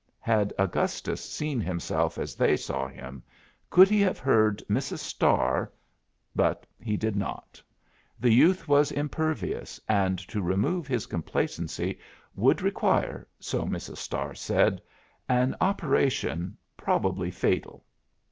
Had Augustus seen himself as they saw him, could he have heard Mrs. Starr But he did not; the youth was impervious, and to remove his complacency would require (so Mrs. Starr said) an operation, probably fatal.